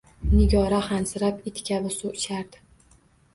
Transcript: Nigora xansirar, it kabi suv ichardi.